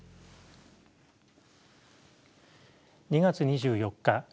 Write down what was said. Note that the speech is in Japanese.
２月２４日